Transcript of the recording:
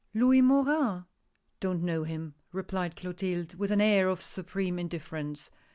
" Louis Morin ?— Don't know him," replied Clotilde, with an air of supreme indifference.